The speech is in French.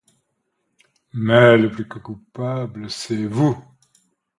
Mais le plus coupable, c’est vous.